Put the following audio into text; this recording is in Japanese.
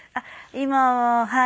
今ははい。